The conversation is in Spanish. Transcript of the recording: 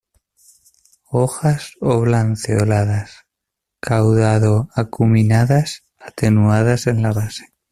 Hojas oblanceoladas, caudado-acuminadas, atenuadas en la base.